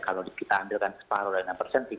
kalau kita ambil kan separuh dari enam persen tiga